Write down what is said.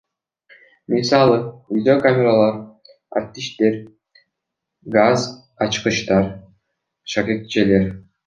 Мисалы, Видеокамералар, аттиштер, газ ачкычтары, шакекчелер.